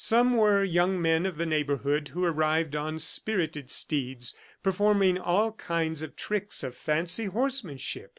Some were young men of the neighborhood who arrived on spirited steeds, performing all kinds of tricks of fancy horsemanship.